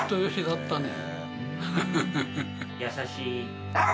優しい？